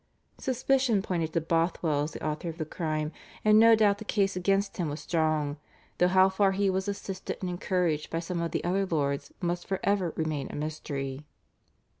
Suspicion pointed to Bothwell as the author of the crime, and no doubt the case against him was strong, though how far he was assisted and encouraged by some of the other lords must for ever remain a mystery.